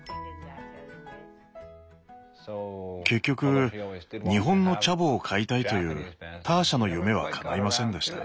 結局日本のチャボを飼いたいというターシャの夢はかないませんでした。